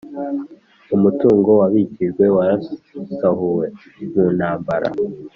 umutungo wabikijwe warasahuwe mu ntambara